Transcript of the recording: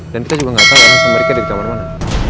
dan kita juga gak tahu yang sama mereka di kamar mana